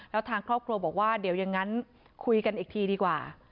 แล้วทางครอบครัวบอกว่าเดี๋ยวอย่างนั้นคุยกันอีกทีดีกว่า